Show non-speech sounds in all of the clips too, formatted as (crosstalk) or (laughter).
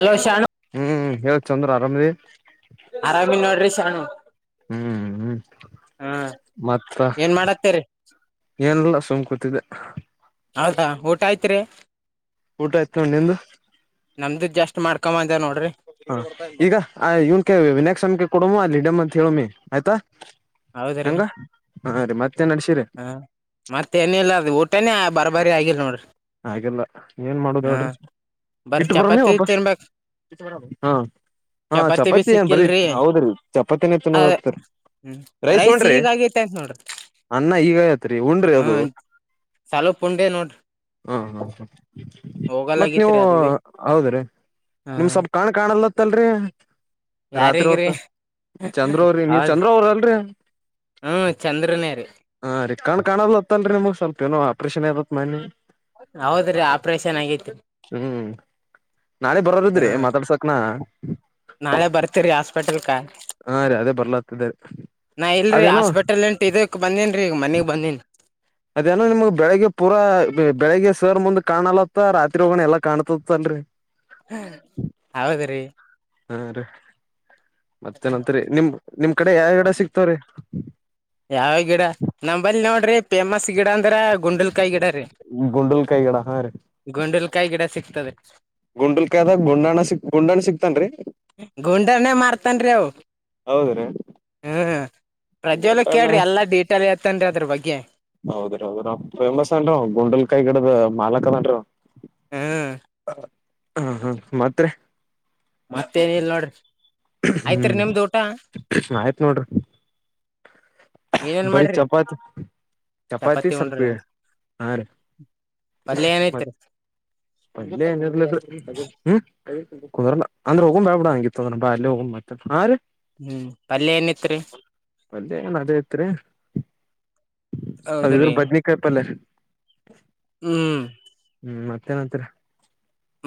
hello Shanu hey Chandru ಆರಾಮದಿ ಶರಣು ಹ್ಮ್ ಹ್ಮ್ ಮತ್ತ ಏನ್ ಮಾಡತ್ತೇರಿ ಏನಿ ಲ್ಲ ಸುಮ್ ಕುತ್ತಿದ್ದ ಹೌದಾ ಊಟ ಆಯ್ತ್ರಿ ಊಟ ಆಯ್ತ ನೋಡ್ ನಿಂದು ಕಮ ಅಂದೆ ನೋಡಿ ಹ ಈಗ ಆ ಇವನ್ ಕೇಳ ವಿನಾಯಕ್ ಸಂ ಕೊಡಮ್ಮ ಅಲ್ಲಿ ಇಡೆಮ್ ಅಂತ ಹೇಳಿ ಆಯ್ತಾ ಹೆಂಗ ಹಾ ರೀ ಮತ್ತೆ ನಡ್ಸಿರಿ ಹ ಮತ್ತೆ ನ ಇಲ್ಲ ಊಟನೇ ಬರ್ ಬರಿ ಆಗಿಲ್ಲ ನೋಡಿರಿ ಹಾಗಿಲ್ಲ ಏನ್ ಮಾಡುದ ಹೇಳ್ರಿ ಬರ ಇಟ್ಟ ಬರೋಮ್ಮಿ ಚಪಾತಿ ವಾಪಸ್ ತಿನ್ಬೇಕ್ ಹ ಹಾ ಬಿ ಚಪಾತಿ ಏನ್ ಬ್ರಿ ಸಿಕ್ಕಿಲ್ರಿ ಹೌದ್ರಿ ಚಪಾತಿನೇ ಅ ತಿನ್ನೋದ ಹತರಿ ಹ್ಮ್ ರೈಸ್ ನೋನ್ ಈಗ ಆಗೈತೆ ಅಂತ ನೋಡ್ರಿ ಅ ಈಗ ಆಯತ್ರಿಉಂಡ್ರಿ ಅದು ಹ್ಮ್ ಸಾಲು ಪುಂಡೆ ನೋಡ್ರಿ ಹ್ಮ ಹ್ಮ ಮತ್ತ್ ನೀವು ಹೋಗಲ್ಗತ್ರಿ ಅದು ಬಿ ಹೌದ್ರೀ ನಿಮ್ ಹ್ಮ್ ಸ್ವಲ್ ಕಣ ಕಣ್ಣ ಲ್ಲತ್ತಲ್ರಿ ರಾತ್ರಿ ಯಾರಿಗ್ರಿ ಹೊತ್ ಚಂದ್ರವ್ರಿ ನೀವ ಹೌದ್ ಚಂದ್ರ ಅವ್ರ ಅಲ್ರಿ ಹ್ಮ್ ಚಂದ್ರನೇ ರೀ ಹ ರಿ ಕಣ ಕಾಣದ್ ಅತ್ತಲ್ರರಿ ನಮ ಸ್ವಲ್ಪ ನೋ ಆಪ್ರೇಷನ್ ಆಗ್ಯದ ಅಂತ ಮನ್ನಿ ಹೌದ್ರಿ ಆಪ್ರೇಷನ್ ಆಗೇತಿ ಹ್ಮ್ ನಾಳೆ ಹ ಬರೋರಿದ್ರಿ ಮಾತಾಡ್ಸಕ್ನಾ ನಾಳೆ ಬರ್ತೀರಿ ಹಾಸ್ಪಿಟಲ್ ಕ ಹಾ ರೀ ಅದೇ ಬರ್ಲತ್ತಿದ ನಾ ಇಲ್ರರಿ ಅದೇನೋ ಹಾಸ್ಪಿಟಲ್ ಎಂಟು ಇದಕ್ ಬಂದೇನ್ರೀ ಈಗ ಮನಗ್ ಬಂದೀನ್ ಅದೇನೋ ನಿಮಗ್ ಬೆಳ್ಳಗೆ ಪೂರಾ ಬೆಳಿಗ್ಗೆ ಸರ್ ಮುಂದ ಕಾಣಲತ್ತ ರಾತ್ರಿ ಹೋಗಣ ಎಲ್ಲಾ ಕಾಣ್ತತ್ತಲ್ರರಿ ಹ ಹೌದ್ರಿ ಹಾ ರೀ ಮತ್ತೆ ನಂತರಿ ನಿಮ್ ನಿಮ್ ಕಡೆ ಯಾವ ಗಿಡ ಯಾವ ಸಿಕ್ತವ್ರೀ ೀ ೇಮಸ್ ಗಿಡ ಅಂದ್ರೆ ಗುಂಡಲ್ಕಾಯಿ ಗಿಡ ರೀ ಗುಂಡಲ್ ಕಾಯಿ ಹಾ ರೀ ಗುಂಡಲ್ಕಾಯಿ ಗಿಡ ಸಿಗ್ತದ ಗುಂಡಲ್ಕಾಯದಾಗ ಗುಂಡಾಣ ಸಿಕ್ ಗುಂಡಾಣ ಸಿಕ್ತನ್ರಿ ಹತಾನರೆವು ಹೌದ ರೀ ಪ್ರಜ್ವಲ್ಗೆ ಕೇಳ್ರಿ ಎಲ್ಲಾ ಡೀಟೇಲ್ ತಂದ್ರೆ ಅದ್ರ ಬಗ್ಗೆ ಹೌದ್ರಿ ಹೌದ್ರ ಫೇಮಸ್ ಅನ್ರು ಗುಂಡಲ್ಕಾಯಿ ಗಿಡದ ಮಾಲಕದನ್ರು ಹ್ಮ್ ಹಾ ಹಾ ಮಾತ್ರೆ ಮತ್ತೇನ ಇಲ್ ನೋಡ್ರಿ ಆಯ್ತ್ರಿ ಹ್ಮ್ ನಿಮ್ದ್ ಊಟ ಆಯ್ತ್ ನೋಡ್ರಿ ಏನೇನ್ ಬರಿೀ ಮಾಡ್ರಿ ಚಪಾತಿ ಚಪಾತಿ ಸ್ವಲ್ಪ ಪಲ್ಯ ಏನೈತ್ರಿ ಮತ್ತೇನ್ ಇಲ್ರಿ (inaudible) ಪಲ್ಯ ಎನೆತ್ರಿ (inaudible) ಅದ್ರ ಹೌದ್ರಿ ಬದನಿಕಾಯಪಲ್ಯ (inaudible) ಹ್ಮ್ ಹ್ಮ್ ಮತ್ತೇನತ್ತಿರಿ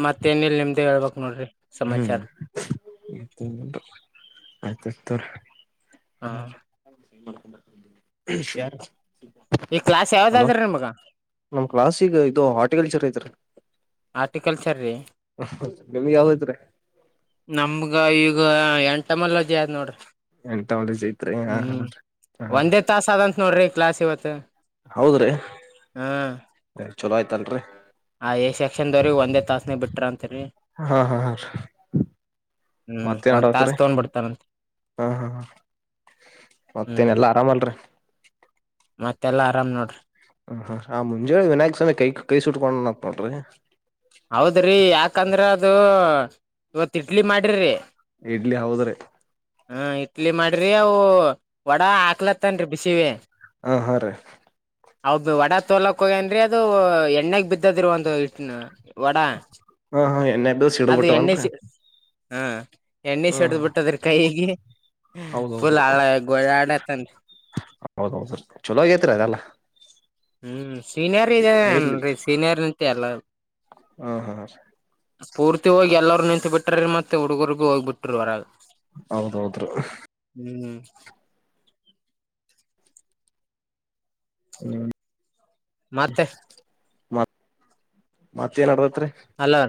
ಮತ್ತೇನಿಲ್ ನಿಮ್ದ್ ಹೇಳ್ಬಕ್ ನೋಡ್ರಿ (inaudible) (inaudible) (inaudible) (inaudible) ಸಮಾಚಾರ ಹಾ ಈ ಕ್ಲಾಸ್ ಅಲೋ ಯಾವ್ದಾದ್ರಿ ನಿಮಗ ನಮ ಕ್ಲಸ್ಗ ಇದು ಹಾರ್ಟಿಕಲ್ಚರ್ ಐ (inaudible) ಆರ್ಟಿಿಕಲ್ಚಾರ ರಿ ನಿಮ್ಗೆ ಯಾವ್ದ ಐತ್ರಿ ನಮ್ಗ ಈಗ (unintelligible) ಎಂಟಾವಲೇಜ್ ಐತ್ರಿ ಹಾ ಹಾ ಹ್ಮ್ ಹಾ ಒಂದೇ ತಾಸ ಆದಂತ ನೋಡ್ರಿ ಕ್ಲಾಸ್ ಇವತ್ತು ಹೌದ್ರಿ ಹ್ಮ ಚಲೋ ಆಯ್ತೇನ್ರರಿ ಆ ಎ ಸೆಕ್ಷನ್ ದವ್ರ ಒಂದೇ ತಾಸನ ಬಿಟ್ರ ಅಂತ ಹಾ ಹಾ ಹ ಹ್ಮ್ ಮತ್ತೇನ್ ಒಂದ್ ಆಡತ್ರಿ ತಾಸ್ ತಗೊಂಡ್ ಬಿಡ್ತಾರಂತ ಹಾ ಹಾ ಮತ್ತೇನ್ ಹ್ಮ್ ಎಲ್ಲಾ ಆರಾಮಲ್ರಿ ಮತ್ತೆಲ್ಲಾ ಆರಾಮ್ ನೋಡ್ರಿ ಹ್ಮ್ ಹ್ಮ್ ಆ ಮುಂಜೆೆ ವಿನಾಯಕ್ ಸ್ವಾಮಿ ಕೈ ಕೈ ಸುಟ್ಕೊಂಡನ ನೋಡ್ರಿ ಹೌದ್ರಿ ಯಾಕಂದ್ರ ಅದು ಇವತ್ ಇಡ್ಲಿ ಮಾಡಿರಿ ಇಡ್ಲಿ ಹೌದ್ರೆ ಹ ಇಡ್ಲಿ ಮಾಡ್ರಿ ಅವು ವಡಾ ಹಾಕ್ಲತ್ತನ್ರಿ ಬಿಸಿವೆ ಆ ಹಾ ರೀ ಅವ ವಡ ತೋಲಕ್ ಹೋಗ್ಯನ್ರಿ ಅದು ಎಣ್ಣಾಗ ಬಿದ್ದದರ ಒಂದು ವಡಾ ಹಾ ಹಾ ಎಣ್ಣೆ ದಿವಸ (unintelligible) ಹಿಡಬಟ್ಟದನ್ರಿ ಹ್ಮ್ ಎಣ್ಣೆ ಸಡ್ದ್ ಬಿಟ್ಟದ್ರಿ ಕೈಗೆ ಫುಲ್ ಹೌದೌದ್ರಿ ಹ ಗೋಳಾಡತಂದ ಹೌದೌದ್ರಿ ಚಲೋ ಆಗೇತ್ರಿ ಅದೆಲ್ಲ ಹ್ಮ್ ಸೀನರಿ ಇರ್ಲಿ ಇಏನ್ರಿ ಸೀನರಿಂತೆ ಎಲ್ಲ ಹಾ ಹಾ ಪೂರ್ತಿ ಹೋಗಿ ಎಲ್ಲರರು ನಿಂತತ್ ಬಿಟ್ರ ಮತ್ತೆ ಹುಡುಗರ್ಗೂ ಹೋಗಿಬ ಬಿಟ್ರರು ಹೊರಾಗ ಹೌದೌದ್ರ ಹ್ಮ್ ಹ್ಮ್ ಮತ್ತೆ ಮ ಮತ್ತೆ ಏನ ಅಲೋ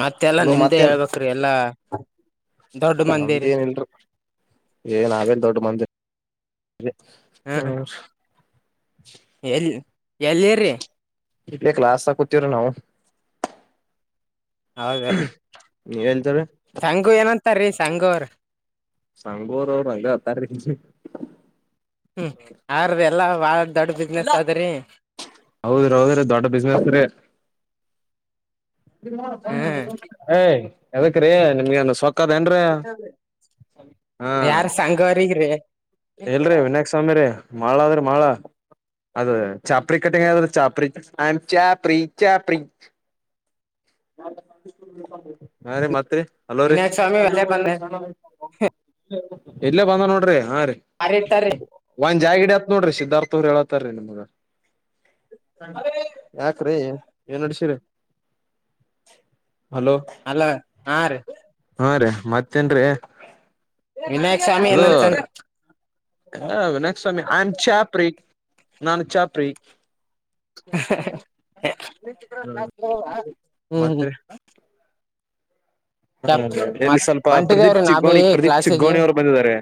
ಮತ್ತೆಲ್ಲಾ ಹಲೋ ನಿಮ್ದೇ ಮತ್ತೇನ್ ಹೇಳ್ಬೇಕ್ರೀ ಎಲ್ಲಾ ದೊಡ್ಡ ನಮ್ದ ಮಂದಿರಿ ಏನಲ್ರ ಏನ್ ಅವೇನ್ ದೊಡ್ಡ ಮಂದ ಹಾ ಹ ಎಲ್ಲಿ (inaudible) ಎಲ್ಲಿರಿ ಇ ಕ್ಲಾಸ್ ಕೂತೀವ್ರ ನಾವು ಹೌದಾ (unintelligible) ಸಂಗು ಏನ ಹತ ರೀ ಸಾಂಗರ್ ಸಂಘೋರ ಅವರು ಅಂಗ ಹತ್ತಾರ ಹ್ಮ್ ಅವ್ರದ ಎಲ್ಲಾ ಬಾಳ ದೊಡ್ ಬಿಸ್ನೆಸ್ ಅದ್ರರಿ ಹೌದ್ರಿ ಹೌದ್ರೀ ದೊಡ್ಡ ಬಿಸ್ನೆೆಸ್ ರಿ ಹ್ಮ್ (inaudible) ಏ ಯದಕ ರೀ ನಿಮ್ಗೆ ಸ್ ಯಾರ್ ಸಂಗವರಿರೀ ಎಲ್ರಿ ವಿನಾಯಕ್ ಸ್ವಾಮಿ ರೀ ಮಾಳ ಆದ್ರೆ ಮಾಳ ಅದ ಚಾಪ್ರಿ ಕಟ್ಟಿಂಗ್ ಚಾಪ್ರಿ ಚಪ್ರ ಚಪ (inaudible) ನಾ ರೀ ಮತ್ರಿ ಹಲೋ ರೀ ವಿನಾಯಕ್ ಸ್ವಾಮಿ ಅಲ್ಲೇ ಬಂದ (inaudible) ಇಲ್ಲೇ ಬಂದ ನೋಡ್ರಿ ಹಾ ರೀ ಯಾರ ಇಟ್ಟಾರಿ ಒಂದ ಜಾಗ ನ ಹತ್ ನೋಡ್ರಿ ಸಿದ್ಧಾರ್ಥ ಅವ್ರು ಹೇಳತ್ತಾರೀ ನಿಮ್ಗ ಯಾಕ್ರೀ ಏನ್ ನಡ್ಸರಿ ಕ ಹಲೋ ಅಲೋ ಹಾ ರೀ ಹಾ ರೇ ಮತ್ತೇನ್ರೀ ವಿನಾಯಕ್ ಸ್ವಾಮಿ ಏನಂತ ಹ ವಿನಕ್ಸ್ವಾಮಿ ಆಮ ಚ ಪ್ರೀ ನಾನು ಚಾಪ್ರಿ (unintelligible) (unintelligible) ಹ್ಮ್ ಮತ್ತೆ ಹಾ ಚಪ್ ಇಲ್ಲಿ ಮತ್ ಸ್ವಲ್ಪ ಹೊಂಟಿದೇವ್ರಿ ಪ್ರದೀಪ್ ನಾ ಬಿ ಚಿಗ್ಗೋಣಿ ಪ್ರದೀಪ್ ಕ್ಲಾಸಿಗೆ ಚಿಗ್ಗೋಣಿ ಅವ್ರು ಬಂದಿದ್ದಾರೆ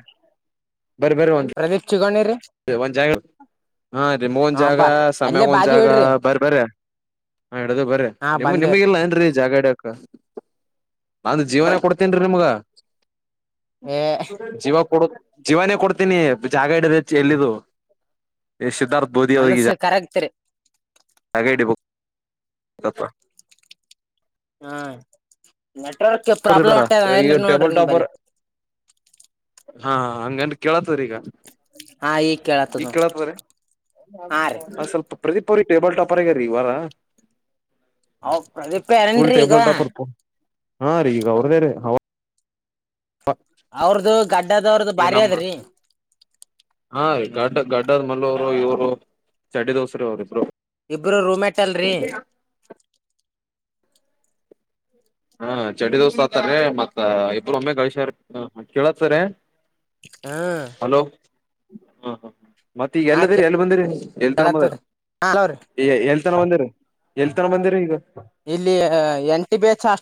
ಬರಿ ಬರಿ ಒಂದ್ ಪ್ರದೀಪ್ ಚುಗಣಿ ರೀ ಒಂದ್ ಜಾಗ ಹಾ ನಿಮಗೊಂದ್ ಹ ಜಾಗ ಬಾ ಅಲ್ಲೇ ಸಮ್ಯಾಗ ಒಂದ್ ಬಾಜಿ ಜಾಗ ಇಡ್ರಿ ಬರ ಬರ ಹಾ ಇಡದು ಬರ ಹಾ ನಿಮ ನಿಮಗ ಬಂದೇವ್ರಿ ಇಲ್ಲ ಏನ್ರೀ ಜಾಗಡ ಕ್ಕ ನಂದುು ಜೀವನನೆ ಕೊಡ್ತೇನ್ ರೀ ನಿಮ್ಗ ಏ ಜವ ಪಡೋ ಜೀವನೇ ಕೊಡ್ತೀನಿ ಜಾಗ ಇಿಡದ ಎಲೆದು ಸಿದ್ಧಾರ್ಥ ಬೋದಿ ಅವ್ರರಿಗೆಗ ಮನಸ್ಸ ಕರೆಕ್ಟ್ ರೀ ಹಾಗಗೇ ಬು ಹಾ ಪ್ರಾಬ್ಲಮ್ ಅವ್ರಿಡಾರ ಹೊಂಟೆ ಈ ಏನ್ರಿ ನೋಡ್ರಿ ಟೇಬಲ್ ಟಾಪರ್ ನಿಂಬಲ್ಲಿಿ ಹಾ ಹಂಗನ್ ಕೇಳತರಿ ಈಗ ಹಾ ಈಗ ಕೇಳತ್ತದ ಈ ನೋಡ್ರಿ ಕಳತ್ವ್ರ ಹಾ ರೀ ನ ಸ್ವಲ್ಪ ಪ್ರದೀಪ ಅವ ಟೇಬಲ್ ಟಾಪರಗ ರೀವಾರಾ ಹೌ ಇಪ ಎನ್್ರೀಗ ೀ ಈಗ ಅವ್ರದೇ ರೀ ಅವ್ರದು ಗಡ್ಡದವ್ರ್ದ ಈಗ ಬಾರಿ ನಮ್ ಅದ್ರಿ ಹಾ ಗಡ್ಡ ಗಡ್ಡದ ಮಲ್ಲ ಅವರು ಇವರು ಚಡ ದೋಸ್ರ ಅವರು ಇದ್ರು ಇಬ್ಬರು ರೂಮೇಟ್ ಆಟಲ್ರರಿ ಹಾ ಚಡ ದೋಸ ಆತಾರ ಮತ್ತ ಇಬ್ಬರು ಒಮ್ಮೆ ಗಳಶ್ಯಾರ ಕೇಳತ್ತಾರ ಹಾ ಹ್ಮ ಹಾ ಹಾ ಮತ್ತ ಈಗ ಎಲ್ಲದಿರಿ ಎಲ್ಲಿ ಬಂದಿರಿ ಎಲ್ತನ ಬಂದರಿ ಕೇಳತ್ತದ್ರಿ ಹಲೋರಿ ಎಲ್ತನ ಬಂದಿರಿ ಎಲ್ತನ ಬಂದಿರಿ ಈಗ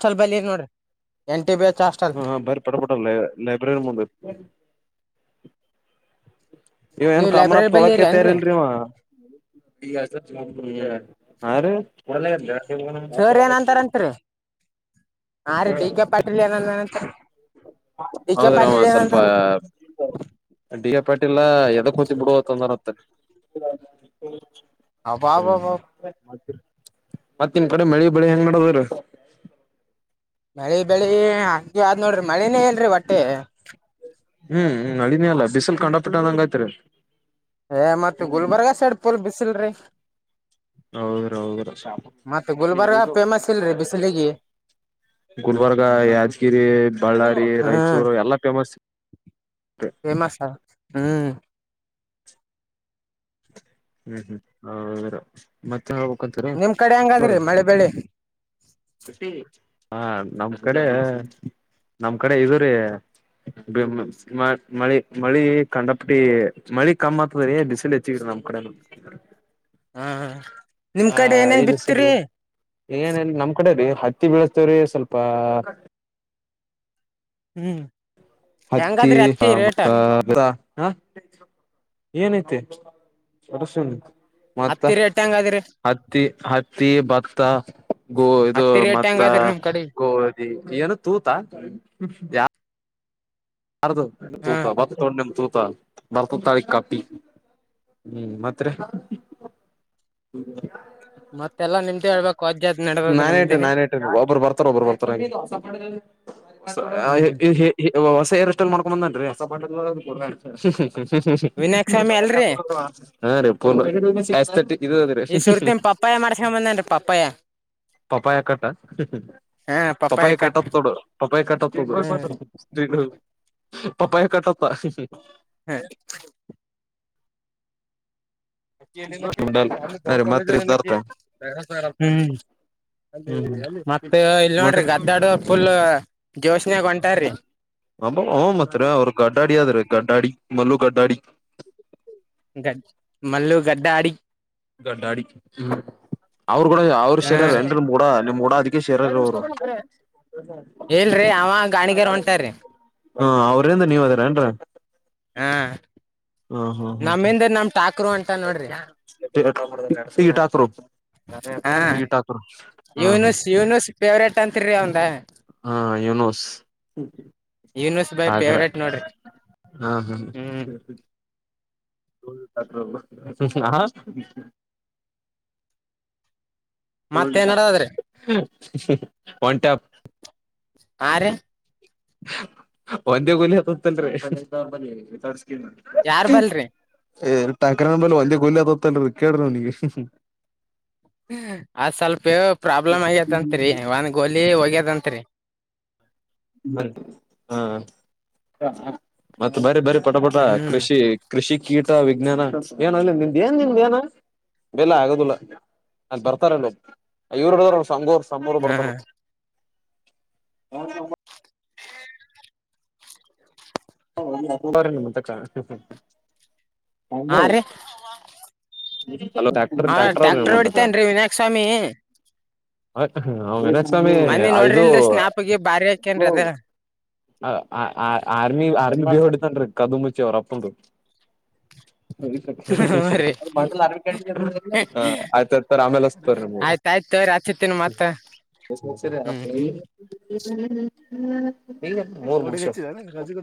ಅಲ್ಲಿ ಬಂದೇನಿ ನೋಡ್ರಿ ನೋಡ್ರ ಏನ್ ಟಿ ಬಿ ಎಚ್ ಹಾಸ್ಟೆಲ್ ಹಾ ಹಾ ಬಾರಿ ಪಟ ಪಟಲ್ಲ ಲೈಬ್ರರಿ ಮುಂದ ಹ್ ಇವ ಏನ್ ನೀವ್ ಲೈಬ್ರರಿ ಕಾಮನಪ್ಪ ಬಲ್ಲಿ ತೊಳಕ ಇರಿ ಏನ್ರಿ ತಯಾರಿಲಿರಿ ಇವ ಹಾ ರಿ ಒ ಸರಿ ಏನ ಅಂತಾರಂತರಿ ಹೇಳು ಡಿ ಕೆ ಹೌದರಮ್ಮ ಪಾಟೀಲ್ ಸ್ವಲ್ಪ ಏನಂದ ಡಿಕೆ ಪಾಟೀಲ್ ಎದಕ್ ಹೋತಿ ಬಿಡು ಅಂದರಂತ ಹ್ಮ್ಮ್ ಅಬ್ಬಾಬಾಬ ಹ್ಮ ಮತ್ತ ನಿಮ್ ಕಡೆ ಮಳಿ ಬೆಳಿ ಹೆಂಗ್ ನಡದಾರ ಮಳೆ ಬೆಳಿ ಹಾಗ ಆದ್ ನೋಡ್ರಿ ಮಳನೇ ಇಲ್ಲಾರಿ ಓಟ್ಟೆ ಹ್ಮ್ ಹ್ಮ್ ಮಳಿನನೆ ಇ ಲ್ಲ ಬಿಸಿಲ್ ಕಂಡಪಟಿ ಅಂದಂಗಯ್ತರಿ ಹ ಮತ್ತೆ ಗುಲ್ಬರ್ಗಾ ಸೈಡ್ ಫುಲ್ ಬಿಸಲು ಸಿಲ್ರಿ ಹೌದ್ರ ಹೌದ್ರ ಮತ್ ಗುಲ್ಬರ್ಗಾ ಫೇಮಸ್ ಇಲ್ರಿ ಬಿಸಿಲಿಗಿ ಗುಲ್ಬರ್ಗಾ ಯಾದಗಿರಿ ಬಳ್ಳಾರಿ ಹ್ಮ್ ರಾಯಚೂರು ಎಲ್ಲಾ ಫೇಮಸ್ ಫೇಮಸ್ ಅದ ಹ್ಮ್ ಹ್ಮ್ ಹ್ಮ್ ಮತ್ತ ಹೇಳ್ಬಕು ಅಂತೀರಿ ಆತ ನಿಮ್ ಕಡೆ ಹೆಂಗಾದ್ರಿ ತಗೋರಿ ಮಳೆ ಬೆಳಿ ಹ ನಮ್ ಕಡೆ ನಮ್ ಕಡೆ ಇದೂರಿ ಮಳಿ ಮಳಿ ಕಂಡಪಟ್ಟಿ ಮಳಿ ಕಮ್ಮ್ ಆತದೀ ಬಿಸಿಲ್ ಹೆಚ್ಚಗ್ರಿ ನಮ ಕಡೆನೂ ಹ್ಮ್ ಹ್ಮ್ ಹ ಏನ್ಸಲ್ರಿ ಏನಿಲ್ಲ ನಮ್ ಕಡೆ ರೀ ಹತ್ತಿ ಬೆಳೆಸ್ತೇವ್ರೆ ಸ್ವಲ್ಪ ಹ್ಮ್ ಹತ್ತಿ ಹೆಂಗಾದ್ರಿ ಹ ರೇಟ ಮತ್ತ ಹಾ ಏನಐತೆ ಅಸ ಮತ್ತ ಹತ್ತಿ ರೇಟ್ ಹೆಂಗಾದ್ರಿ ಹತ್ತಿ ಹತ್ತಿ ಭತ್ತ ಗೋ ಇದು ಹತ್ತಿ ರೇಟ್ ಮತ್ತ ಹೆಂಗಾದ್ರಿ ನಿಮ್ ಕಡೆ ಗೋಧಿ ಏನು ತೂತ ಯ ಅರ್ದುು ತೂತ ಹ್ಮ್ ಒಂದ್ ತೊಂಡೆದ್ರ ನಿಮ್ ತೂತ ಬರ್ತ ತಾಳಿ ಕಪಿ ಹ್ಮ್ ಮತ್ತೆ ಮತ್ತೆಲ್ಲಾ ನಿಮ್ದೇ ಹೇಳ್ಬೇಕು ವಜ್ಜದ್ ನಡದದ್ರಿ ನಾನೆ ನಮ್ದೇ ಇಟ್ಟೇನಿ ನಾನ್ ಇಟ್ಟೇನಿ ಒಬ್ರು ಬರ್ತಾರ ಒಬ್ರು ಬರ್ತಾರ ಹ್ಮ್ ತೇರ್ ಎಷ್ಟ ಎಲ್ ಮಾಡ್ಕೊಂಡ ಬಂದನ್ೀಸ ಹ್ಮ್ ಹ್ಮ್ ವಿನಾಯಕ್ ಹ್ಮ್ಮ್ ಸ್ವಾಮಿ ಅಲ್ರಿ ಹಾ ರಿ ಹು ನ್ರಿ ಆಸ್ಥೆ ಇದ್ರೆ ಈ ಸುರ್ತಿನ್ ಪಪ್ಪಾಯ ಮಾಡ್ಸ್ಕೊಂಡ್ ಬಂದೇನ್ರಿ ಪಪ್ಪಾಯ ಪಪಾಯ ಕಟ್ಟ ಹ ಪಪ್ಪಾಯ ಕಟ್ ಕಟ್ಟತ್ ತೊಡು ಪಪ್ಪಾಯ ಕಟ್ಟ ಹ್ಮ್ ಪಪಾಯ ಕಟ್ಟಕ್ಕ ಹಾ ಹಾ ರೀ ಕಾಲ ಮತ್ರಿ ಇದ್ದಾರ್ರೀ ನೋಡ್ರಿ ಗದ್ದಾಡು (unintelligible) ಫುಲ್ ಜೋಶ್ನ್ಯಾಗ ಹೊಂಟಾರ್ರಿ ಅಬ ಹ ಮತ್ರ ಅವರು ಗಡ್ಡಾಡ ಆದ ಆದ್ರೀ ಗಡ್ಡಾಡಿ ಮಲ್ಲು ಗಡ್ಡಾಡಿ ಗ ಮಲ್ಲು ಗದಡ ಆಡಿ ಗಡಾಡಿ ಅವರು ಕೂಡ ಅವ್ರ ಹ ಶೇರಯಾರ ಎನ್ ಮೂಡ ನಿಮ್ಡ ಅದಕ್ಕೆ ಶೇರಯಾರ ಅವರು ಇಲ್ರಿ ಅವ ಗಾಣಿಗರ್ ಹೊಂಟಾರ್ರಿ ಹಾ ಅವ್ರಿಂದ ನೀವ್ ಅದಾರ ಏನ್ರ ಹಾ ಹಾ ನಮ್ಮಿಂದ ನಮ್ ಠಾಕರು ಅಂಟ ನೋಡ್ರಿ ಸಿಾಕರು ಹ ಸಿ ಾಕೂ ಹಾ ಹಾ ಯೂನುಸ್ ಯೂನುಸ್ ಫೇವ್ರೇಟ್ ಅಂತ್ರಿ ಅವಂದ ಹಾ ಯುನೂಸ್ ಯೂನುಸ್ ಬೈ ಕ್ರ ಫೇವ್ರೇಟ್ ನೋಡ್ರಿ ಹಾ ಹ ಹ್ಮ್ (unintelligible) (unintelligible) ತೋಲ್ದ ಮತ್ತೇನ್ ನಡದದ್ರಿ (unintelligible) ಒನ್ಟ್ಯಾಪ್ ಆರ ಒಂದೇ ಗುಲಿ ಹತತಲ್ರಿಿ ಯಾರ್ ಬಲ್ರಿ ಏ ಟಾಕರಲೆ ಒಯ ಕೊಲ್ಲ ಅ ತತ್ತಲ್ಲ ಕೇಡ ಅದ್ ಸ್ವಲ್ಪ ಪ್ರಾಬ್ಲಮ್ ಆಗ್ಯದಂತ್ರಿ ಒಂದ್ ಗೋಲಿ ಹೋಗ್ಯದಂರಿ ಹಾ ಮತ್ತೆ ಬರ ಬರಿ ಪಟ ಪಟ ಹ್ಮ್ ಕೃಷಿ ಕೃಷಿ ಕೀಟ ವಿಜ್ಞಾನ ಏನ ಇಲ್ಲ ನಿ ಏನ್ ನಿ ಏನ ಬೆಲ್ಲ ಆಗದಿಲ್ಲ ಅದ ಬರ್ತಾರಲ್ಲ ಇವ್ರಡ ಸಂಗೋರ್ ಸರು ಹ ಬರ್ತಾರ ಹ ತ್ತ (unintelligible) ಹ ರೀ ಹ್ಮ ಹಾ ಟ್ಯಾಕ್ಟರ್ ಹೊಡಿತೇನ್ ರೀ ವಿನಾಯಕ್ ಸ್ವಾಮಿ (unintelligible) ಮನ್ನಿ ದು ನೋಡ್ರಿಲ್ರರಿ ಸ್ನಾಪ್ಗೆ ಬಾರಿ ಹಾಕೇನ್ರಿ ಅದ (unintelligible) ಆರ್ಮಿ ಬಿ ಹೊಡಿತನ್ ಕದುಂಬಚ್ಚಿ ಅವ್ರ ಅಪ್ಪಂದು ಹ್ಮ (unintelligible) ರೀ ಆಯ್ತ ಆಯ್ತ ತೋರಿ ಹಚ್ಚತಿನ್ ಮತ್ತ ಹ್ಮ್ ಹ್ಮ್ ಗೌಡ ಹೆಚ್ಚಿದ ಏನ್